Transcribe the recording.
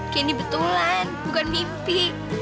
candy betulan bukan mimpi